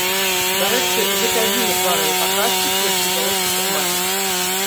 Дарэчы, гэта адзіны планавы паказчык, які ўдалося ўтрымаць.